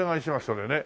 それね。